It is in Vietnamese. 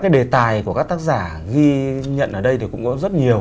đề tài của các tác giả ghi nhận ở đây cũng có rất nhiều